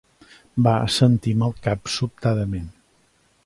Va assentir amb el cap sobtadament.